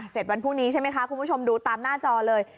วันพรุ่งนี้ใช่ไหมคะคุณผู้ชมดูตามหน้าจอเลย